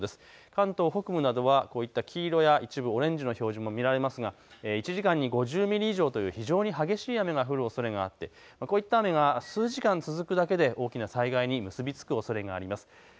関東北部などはこういった黄色や一部オレンジの表示も見られますが１時間に５０ミリ以上という非常に激しい雨が降るおそれがあってこういった雨が数時間続くだけで大きな災害に結び付くおそれがあります。